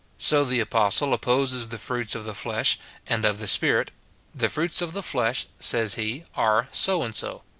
So the apostle opposes the fruits of the flesh and of the Spirit :" The fruits of the flesh," says he, are so and so.